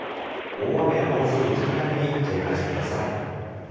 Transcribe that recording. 大雨や暴風、高波に警戒してください。